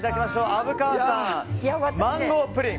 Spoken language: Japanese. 虻川さん、マンゴープリン。